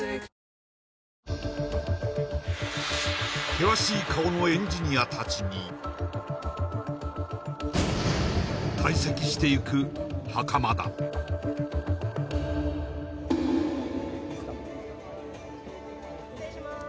険しい顔のエンジニアたちに退席していく袴田失礼します